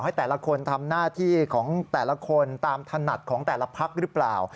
แต่ละคนทำหน้าที่ของแต่ละคนตามถนัดของแต่ละพักหรือเปล่า